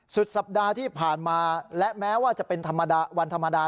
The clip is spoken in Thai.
สุดสัปดาห์ที่ผ่านมาและแม้ว่าจะเป็นธรรมดาวันธรรมดา